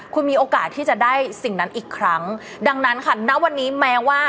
คุณมีโอกาสที่จะได้สิ่งนั้นอีกครั้งดังนั้นค่ะณวันนี้แม้ว่า